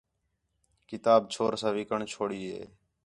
کتاب چھور سا وکݨ چھوڑی ہِے